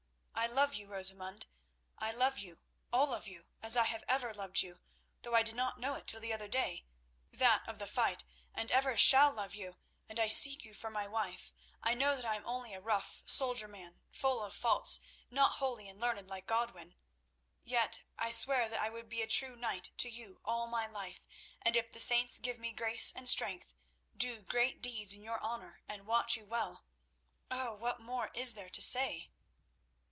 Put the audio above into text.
"I love you, Rosamund! I love you—all of you, as I have ever loved you—though I did not know it till the other day—that of the fight, and ever shall love you—and I seek you for my wife. I know that I am only a rough soldier man, full of faults, not holy and learned like Godwin. Yet I swear that I would be a true knight to you all my life, and, if the saints give me grace and strength, do great deeds in your honour and watch you well. Oh! what more is there to say?"